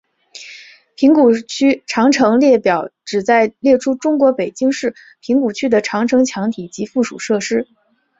平谷区长城列表旨在列出中国北京市平谷区的长城墙体及附属设施。